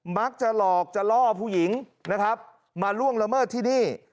มักจะหลอกจะล่อผู้หญิงนะครับมาล่วงละเมิดที่นี่